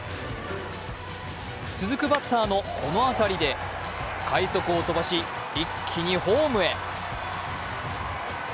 続くバッターのこの当たりで快足を飛ばし、一気にホームへ。